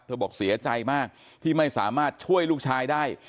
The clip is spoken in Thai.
บอกเสียใจมากที่ไม่สามารถช่วยลูกชายได้